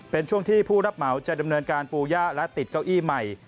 เป็นช่วงที่ผู้รับเหมาจะดำเนินการปูย่าและติดเก้าอี้ใหม่